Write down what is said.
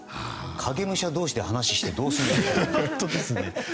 影武者同士で話をしてどうするんだって。